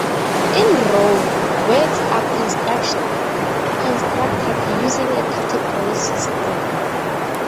In Ro, words are constructed using a category system.